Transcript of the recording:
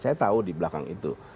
saya tahu di belakang itu